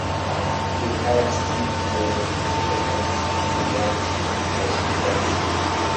They hired Steve De Jarnatt to write the first draft.